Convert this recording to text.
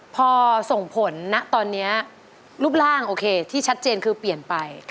พอส่งผลณตอนนี้รูปร่างโอเคที่ชัดเจนคือเปลี่ยนไป